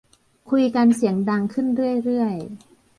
คุยกันจนเสียงดังขึ้นเรื่อย